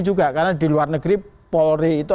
juga karena di luar negeri polri itu